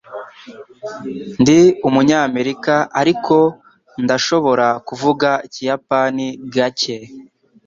Ndi umunyamerika, ariko ndashobora kuvuga ikiyapani gake.